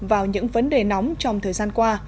vào những vấn đề nóng trong thời gian qua